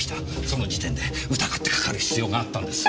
その時点で疑ってかかる必要があったんです。